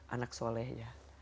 anak soleh ya